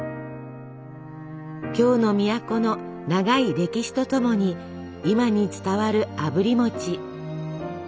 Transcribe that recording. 京の都の長い歴史とともに今に伝わるあぶり餅。